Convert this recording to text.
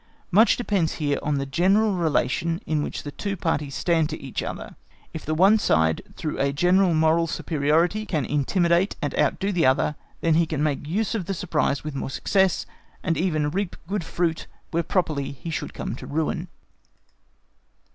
Much depends here on the general relation in which the two parties stand to each other. If the one side through a general moral superiority can intimidate and outdo the other, then he can make use of the surprise with more success, and even reap good fruit where properly he should come to ruin.